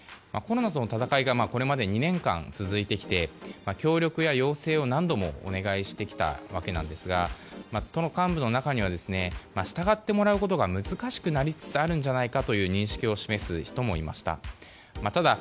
コロナとの闘いがこれまで２年間続いてきて協力や要請を何度もお願いしてきたわけですが都の幹部の中には従ってもらうことが難しくなりつつあるんじゃないかという認識を示す人もいました。